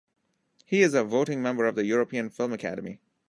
He is a Voting member of the European Film Academy.